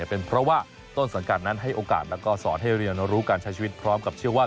เป็นเพราะว่าต้นสังกัดนั้นให้โอกาสแล้วก็สอนให้เรียนรู้การใช้ชีวิตพร้อมกับเชื่อว่า